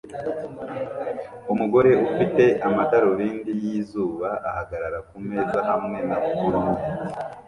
Umugore ufite amadarubindi yizuba ahagarara kumeza hamwe na condiments